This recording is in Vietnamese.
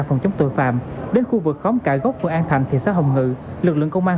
phòng chống tội phạm đến khu vực khóm cải góc phường an thành thị xã hồng ngự lực lượng công an